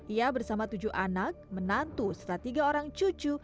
ia bersama tujuh anak menantu serta tiga orang cucu